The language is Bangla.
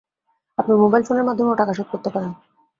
আপনি মোবাইল ফোনের মাধ্যমেও টাকা শোধ করতে পারেন।